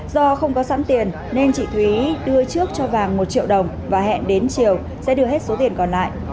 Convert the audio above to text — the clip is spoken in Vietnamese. do không có sẵn tiền nên chị thúy đưa trước cho vàng một triệu đồng và hẹn đến chiều sẽ đưa hết số tiền còn lại